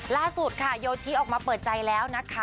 ล่าสุดค่ะโยธิออกมาเปิดใจแล้วนะคะ